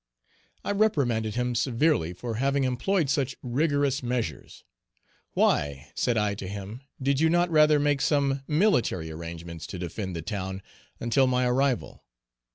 I reprimanded him severely for having employed such rigorous Page 298 measures. "Why," said I to him, "did you not rather make some military arrangements to defend the town until my arrival?"